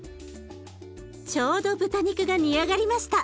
ちょうど豚肉が煮上がりました。